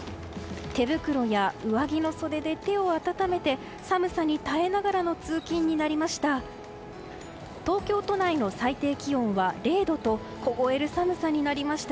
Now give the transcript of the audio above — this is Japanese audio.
手袋や上着の袖で手を温めて寒さに耐えながらの通勤になりました。